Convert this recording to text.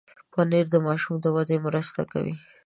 پنېر د ماشوم د ودې مرسته کوي.